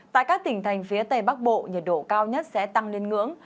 tại các tỉnh thành phía tây bắc bộ nhiệt độ cao nhất sẽ tăng lên ngưỡng